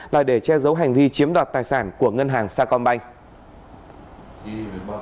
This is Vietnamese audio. là để che giấu hành vi chiếm đoạt tài sản của ngân hàng sacombank